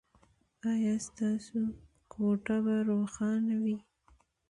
ایا ستاسو کوټه به روښانه وي؟